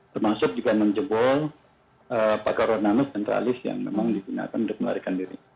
termasuk juga menjebol pagar ornamis dan tralis yang memang digunakan untuk melarikan diri